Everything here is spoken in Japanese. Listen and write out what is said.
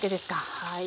はい。